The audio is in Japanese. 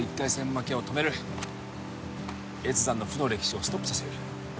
負けを止める越山の負の歴史をストップさせる